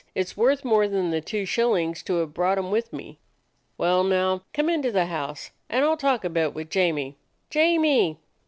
It 's worth more than the two shillings to have brought him with me." "Well, now. Come into the house, and I 'll talk a bit with Jamie. Jamie!"